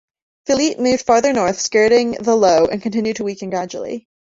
Philippe moved farther north skirting the low and continued to weaken gradually.